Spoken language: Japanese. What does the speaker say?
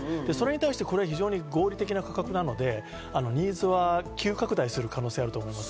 これは合理的な価格なので、ニーズは急拡大する可能性があると思います。